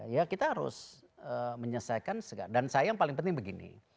ya kita harus menyelesaikan segala dan saya yang paling penting begini